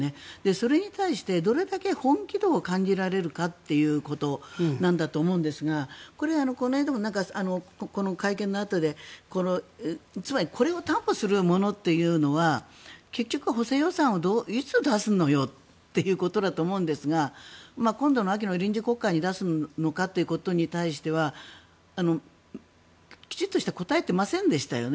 それに対してどれだけ本気度を感じられるかっていうことなんだと思うんですがこれはこの間もこの会見のあとでつまりこれを担保するというものは結局、補正予算をいつ出すのよということだと思うんですが今度の秋の臨時国会に出すのかっていうことに対してはきちっと答えてませんでしたよね。